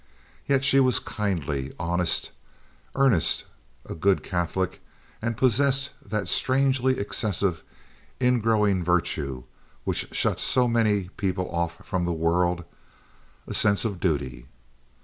Yet she was kindly, honest, earnest, a good Catholic, and possessed of that strangely excessive ingrowing virtue which shuts so many people off from the world—a sense of duty.